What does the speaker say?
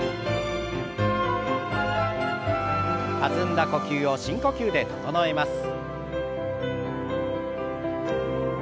弾んだ呼吸を深呼吸で整えます。